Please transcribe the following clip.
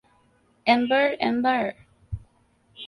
Ember, ember!